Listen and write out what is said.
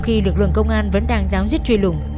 nhiều lượng công an vẫn đang giáo dứt truy lùng